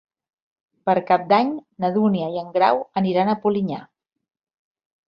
Per Cap d'Any na Dúnia i en Grau aniran a Polinyà.